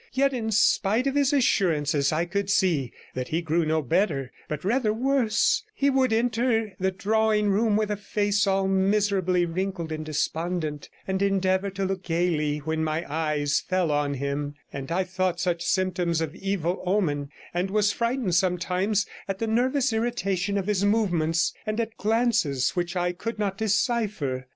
Yet in spite of his assurances I could see that he grew no better, but rather worse; he would enter the drawing room with a face all miserably wrinkled and despondent, and endeavour to look gaily when my eyes fell on him, and I thought such symptoms of evil omen, and was frightened sometimes 106 at the nervous irritation of his movements, and at glances which I could not decipher.